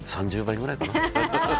３０倍ぐらいかな？